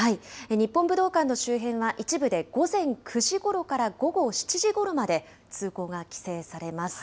日本武道館の周辺は一部で午前９時ごろから午後７時ごろまで、通行が規制されます。